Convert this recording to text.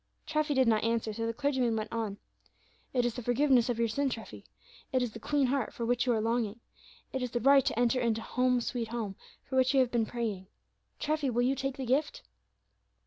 Treffy did not answer, so the clergyman went on: "It is the forgiveness of your sin, Treffy; it is the clean heart, for which you are longing; it is the right to enter into 'Home, sweet Home,' for which you have been praying, Treffy; will you take the gift?"